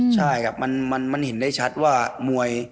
ใช่ครับมันเห็นได้ชัดว่ามวย